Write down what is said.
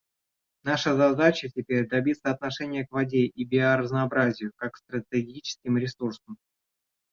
Наша задача теперь — добиться отношения к воде и биоразнообразию как к стратегическим ресурсам.